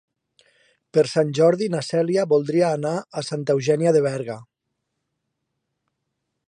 Per Sant Jordi na Cèlia voldria anar a Santa Eugènia de Berga.